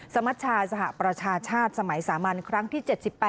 สมัชชาสหประชาชาติสมัยสามัญครั้งที่๗๘